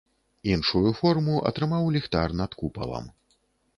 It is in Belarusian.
Іншую форму атрымаў ліхтар над купалам.